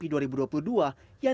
yang diikuti dua puluh tahun kemudian